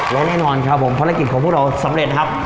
และแน่นอนครับผมภารกิจสำเร็จครับ